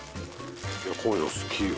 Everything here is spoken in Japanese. こういうの好きよ。